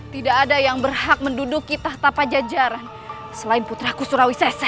tidak ada yang berhak menduduki tahta pajajaran selain putraku surawi sesa